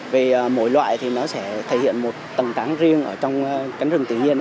vì mỗi loại thì nó sẽ thể hiện một tầng trắng riêng ở trong cánh rừng tự nhiên